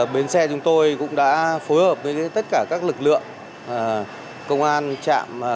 bến xe chúng tôi cũng đã phối hợp với tất cả các lực lượng công an bến xe giáp bát